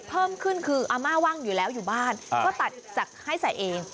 เพิ่มขึ้นคืออาม่าว่างอยู่แล้วอยู่บ้านก็ตัดจากให้ใส่เอง